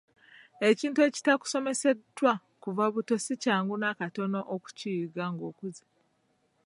Ekintu ekitakusomeseddwa kuva buto si kyangu n'akatono okukiyiga ng'okuze.